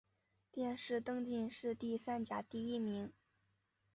殿试登进士第三甲第一名。